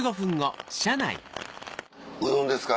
うどんですか？